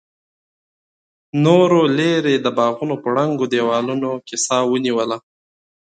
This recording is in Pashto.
نورو ليرې د باغونو په ړنګو دېوالونو کې سا ونيوله.